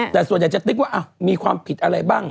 แต่ส่วนใหญ่จะติ๊กว่ามีความผิดอะไรบ้าง